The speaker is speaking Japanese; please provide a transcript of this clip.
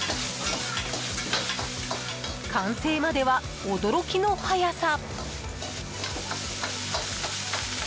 完成までは驚きの早さ！